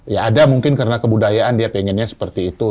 ya ada mungkin karena kebudayaan dia pengennya seperti itu